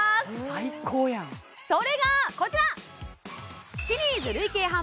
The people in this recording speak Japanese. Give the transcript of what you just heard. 最高やんそれがこちら！